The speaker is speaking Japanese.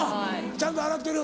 ちゃんと洗ってる？